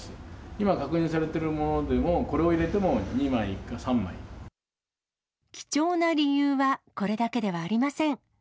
今確認されてるものでも、これを貴重な理由はこれだけではありません。